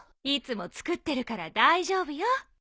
いつも作ってるから大丈夫よ。